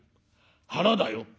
腹だよ。